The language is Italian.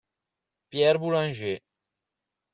Pierre Boulanger